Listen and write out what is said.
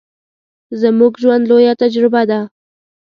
زموږ ژوند، لويه تجربه ده.